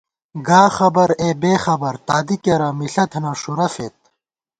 گا خبر اے بېخبر ، تادی کېرہ ، مِݪہ تھنہ ، ݭُورہ فېد